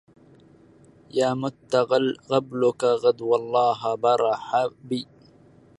يا مت قبلك قد والله برح بي